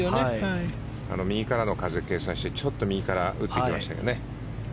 右からの風を計算してちょっと右から打ちましたよね。